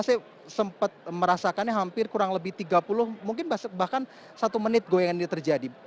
saya sempat merasakannya hampir kurang lebih tiga puluh mungkin bahkan satu menit goyangan ini terjadi